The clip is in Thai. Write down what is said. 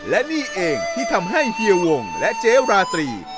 และนี่เองที่ทำให้เฮียวงและเจ๊ราตรี